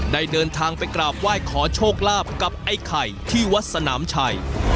ได้เดินทางไปกราบไหว้ขอโชคลาภกับไอ้ไข่ที่วัดสนามชัย